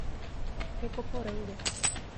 Ecoporanga